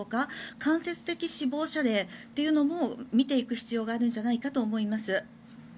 間接的死亡者例というのも見ていく必要があるんじゃないかと思います。